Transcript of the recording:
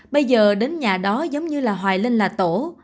bây giờ đến nhà đó giống như là hoài linh là tổ